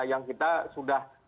yang kita sudah